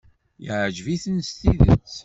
Yeɛjeb-iten s tidet.